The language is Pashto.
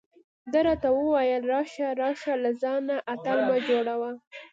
ده راته وویل: راشه راشه، له ځانه اتل مه جوړه.